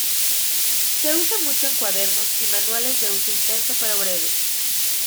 Se usa mucho en cuadernos y manuales de uso intenso pero breve.